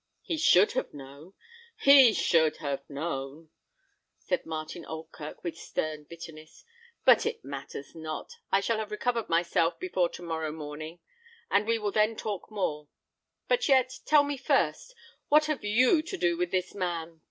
"He should have known! he should have known!" said Martin Oldkirk, with stern bitterness; "but it matters not. I shall have recovered myself before tomorrow morning, and we will then talk more but yet, tell me first, what have you to do with this man?